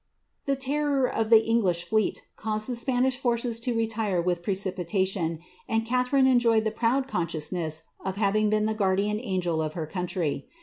The terror of the English fleet caused the Spanish forces rith precipitation, and Gatharine enjoyed the proud conscious aving been the guardian angel of ber country.